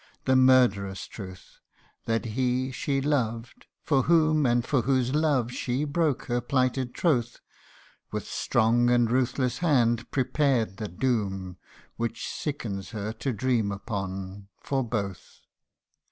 The murderous truth, that he she loved for whom And for whose love she broke her plighted troth, With strong and ruthless hand prepared the doom, Which sickens her to dream upon for both.